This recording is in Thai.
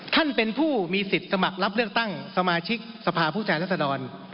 ท่านเป็นผู้มีสิทธิ์สมัครรับเลือกตั้งสมาชิกสภาพผู้แทนรัศดร